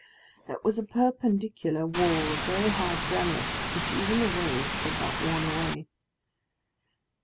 It was a perpendicular wall of very hard granite, which even the waves had not worn away.